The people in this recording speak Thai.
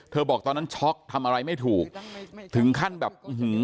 บอกตอนนั้นช็อกทำอะไรไม่ถูกถึงขั้นแบบอื้อหือ